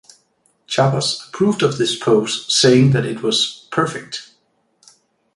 Chabas approved of this pose, saying that it was "perfect".